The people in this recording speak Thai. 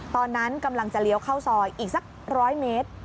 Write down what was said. ตอนนั้นกำลังจะเลี้ยวเข้าซอยอีกสัก๑๐๐เมตร